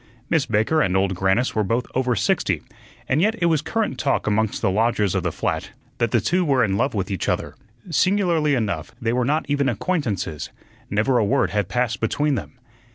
Miss Baker and Old Grannis were both over sixty, and yet it was current talk amongst the lodgers of the flat that the two were in love with each other. Singularly enough, they were not even acquaintances; never a word had passed between them.